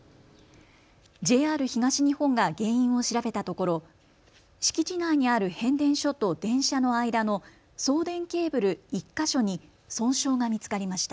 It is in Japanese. ＪＲ東日本が原因を調べたところ、敷地内にある変電所と電車の間の送電ケーブル１か所に損傷が見つかりました。